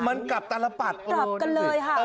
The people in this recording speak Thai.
มันกลับตลาดปัด